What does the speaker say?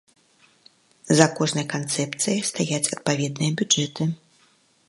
За кожнай канцэпцыяй стаяць адпаведныя бюджэты.